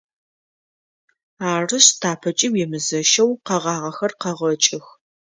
Арышъ, тапэкӏи уемызэщэу къэгъагъэхэр къэгъэкӏых.